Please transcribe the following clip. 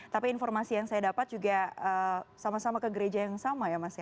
tapi informasi yang saya dapat juga sama sama ke gereja yang sama ya mas ya